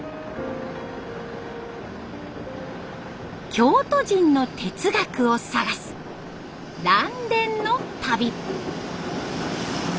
「京都人の哲学」を探す嵐電の旅。